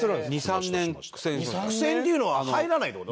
苦戦っていうのは入らないって事？